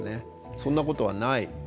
そんなことはない。